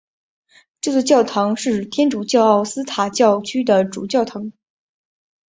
这座教堂是天主教奥斯塔教区的主教座堂。